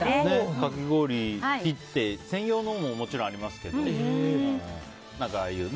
かき氷、切って専用のももちろんありますけど。